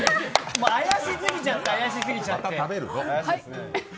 もう怪しすぎちゃって怪しすぎちゃって。